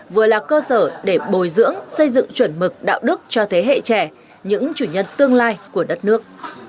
vừa là cơ sở để bồi dưỡng xây dựng chuẩn mực đạo đức cho thế hệ trẻ những chủ nhân tương lai của đất nước